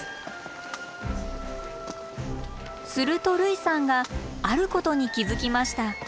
すると類さんがあることに気付きました。